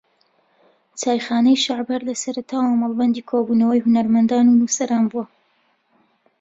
چایخانەی شەعب ھەر لە سەرەتاوە مەڵبەندی کۆبونەوەی ھونەرمەندان و نووسەران بووە